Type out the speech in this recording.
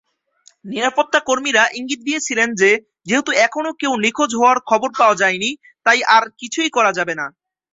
নিরাপত্তা কর্মীরা ইঙ্গিত দিয়েছিলেন যে যেহেতু এখনও কেউ নিখোঁজ হওয়ার খবর পাওয়া যায়নি, তাই আর কিছুই করা যাবে না।